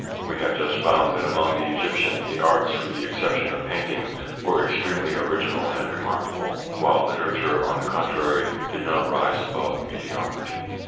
We have just found that among the Egyptians the arts, with the exception of painting, were extremely original and remarkable, while literature, on the contrary, did not rise above mediocrity.